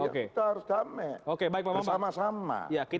kita harus damai bersama sama